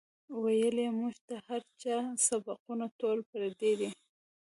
وئیلـي مونږ ته هـر چا سبقــونه ټول پردي دي